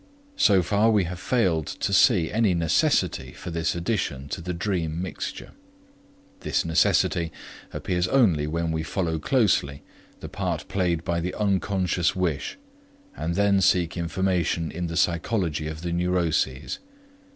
So far we have failed to see any necessity for this addition to the dream mixture. This necessity appears only when we follow closely the part played by the unconscious wish, and then seek information in the psychology of the neuroses.